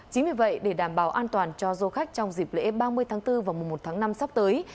chính vì vậy để đảm bảo an toàn cho du khách trong dịp lễ ba mươi tháng bốn và mùa một tháng năm sắp tới